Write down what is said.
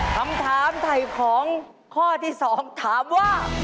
คำถามไถ่ของข้อที่๒ถามว่า